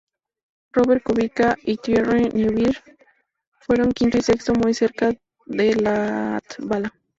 Robert Kubica y Thierry Neuville fueron quinto y sexto muy cerca de Latvala.